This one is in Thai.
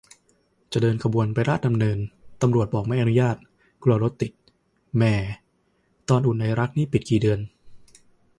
จะเดินขบวนไปราชดำเนิน ตำรวจบอกไม่อนุญาต กลัวรถติด แหม่ ตอน อุ่นไอรัก นี่ปิดกี่เดือน